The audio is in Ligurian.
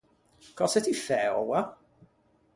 Cöse ti fæ oua?